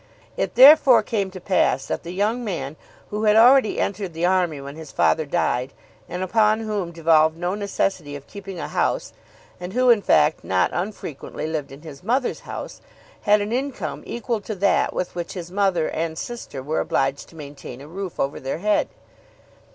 It therefore came to pass that the young man, who had already entered the army when his father died, and upon whom devolved no necessity of keeping a house, and who in fact not unfrequently lived in his mother's house, had an income equal to that with which his mother and his sister were obliged to maintain a roof over their head.